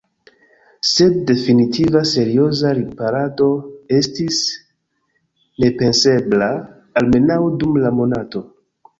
Sed definitiva, serioza riparado estis nepensebla, almenaŭ dum la monato.